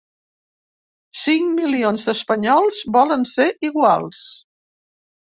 Cinc milions d’espanyols volen ser iguals.